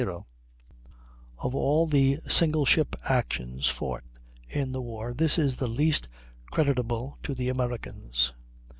45] Of all the single ship actions fought in the war this is the least creditable to the Americans.